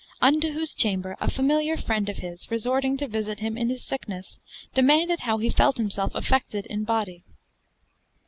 Unto whose chamber a familiar freend of his resorting to visit him in his sicknes demaunded how he felt himself affected in body.